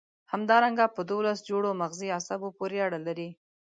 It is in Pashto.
همدارنګه په دوولس جوړو مغزي عصبو پورې اړه لري.